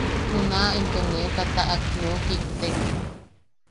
Junaʼa into nee tataʼak neu kiktek.